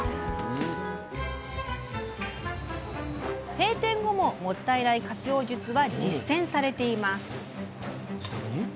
閉店後ももったいない活用術は実践されています。